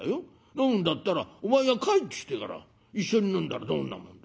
飲むんだったらお前が帰ってきてから一緒に飲んだらどんなもんだ。